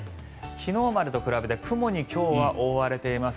昨日までと比べて今日は雲に覆われています。